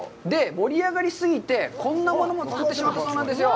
盛り上がり過ぎてこんなものも造ってしまったそうなんですよ。